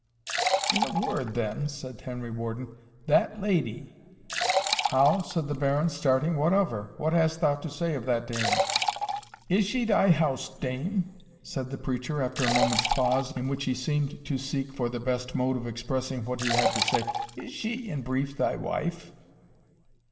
"In a word, then," said Henry Warden, "that lady " "How?" said the Baron, starting "what of her? what hast thou to say of that dame?" "Is she thy house dame?" said the preacher, after a moment's pause, in which, he seemed to seek for the best mode of expressing what he had to say "Is she, in brief, thy wife?"